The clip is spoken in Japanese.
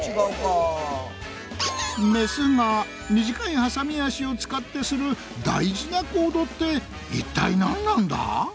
メスが短いはさみ脚を使ってする大事な行動って一体なんなんだぁ？